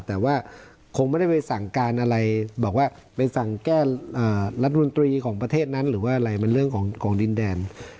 แต่ว่าคงไม่ได้ไปสั่งการอะไรบอกว่าไปสั่งแก้รัฐมนตรีของประเทศนั้นหรือว่าอะไรมันเรื่องของดินแดน